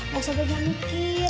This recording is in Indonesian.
gak usah banyak mikir